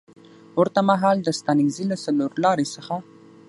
ورته مهال د ستانکزي له څلورلارې څخه